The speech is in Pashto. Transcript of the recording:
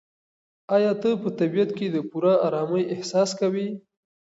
ایا ته په طبیعت کې د پوره ارامۍ احساس کوې؟